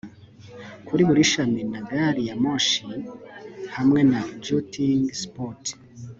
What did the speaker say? Kuri buri shami na gari ya moshi hamwe na jouting spout